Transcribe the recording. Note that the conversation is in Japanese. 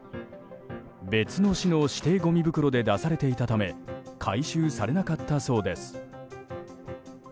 別の市の指定ごみ袋で出されていたため回収されなかったそうです。